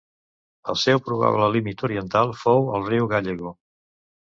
El seu probable límit oriental fou el riu Gallego.